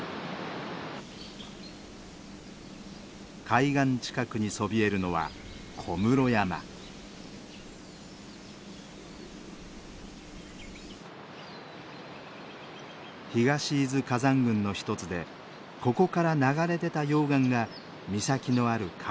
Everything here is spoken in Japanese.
海岸近くにそびえるのは東伊豆火山群の一つでここから流れ出た溶岩が岬のある海岸線をつくりました。